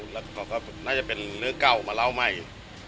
แล้วก็น่าจะเป็นเรื่องเก่ามาแล้วไม่